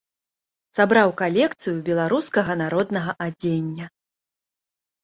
Сабраў калекцыю беларускага народнага адзення.